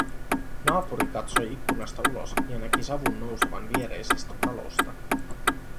Naapuri katsoi ikkunasta ulos ja näki savun nousevan viereisestä talosta